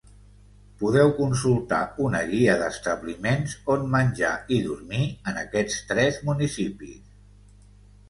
Podeu consultar una guia d’establiments on menjar i dormir en aquests tres municipis.